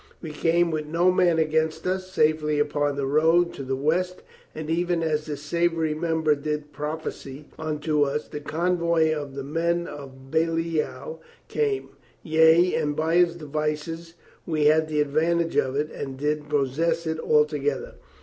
We came with no man against us safely upon the road to the west and even as this savory member did prophesy unto us, the convoy of the men of Belial came ; yea, and by his devices we had the advantage of it and did possess it alto gether.